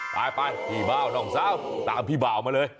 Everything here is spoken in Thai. ไปพี่เบ้าน้องเซ้าตามพี่เบ้ามาเลย